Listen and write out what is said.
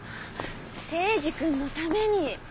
征二君のために。